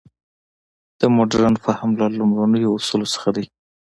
د مډرن فهم له لومړنیو اصولو څخه دی.